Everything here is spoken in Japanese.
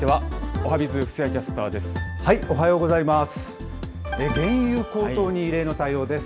おはようございます。